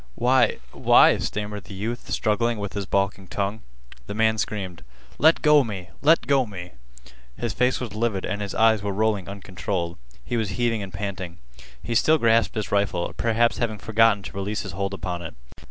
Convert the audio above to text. "Why—why—" stammered the youth struggling with his balking tongue. The man screamed: "Let go me! Let go me!" His face was livid and his eyes were rolling uncontrolled. He was heaving and panting. He still grasped his rifle, perhaps having forgotten to release his hold upon it.